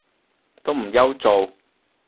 都唔憂做